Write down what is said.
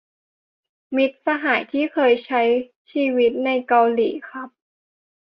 มิตรสหายที่เคยใช้ชีวิตในเกาหลีครับ